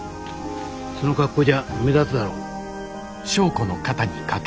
その格好じゃ目立つだろ。